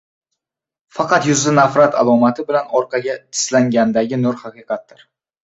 faqat yuzda nafrat alomati bilan orqaga tislangandagi nur haqiqatdir.